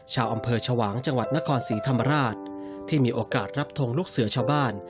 ชาวอำเภอชวางจังหวัดนครศรีธรรมราชที่มีโอกาสรับทงลูกเสือชาวบ้าน